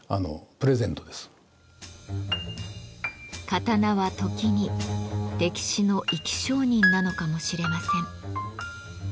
刀は時に歴史の生き証人なのかもしれません。